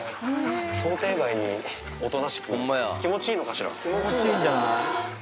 想定外におとなしく、気持ちいいのかしら？